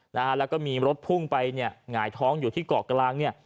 นะฮะแล้วก็มีรถพุ่งไปเนี่ยหงายท้องอยู่ที่เกาะกลางเนี่ย